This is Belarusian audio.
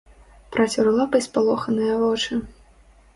Працёр лапай спалоханыя вочы.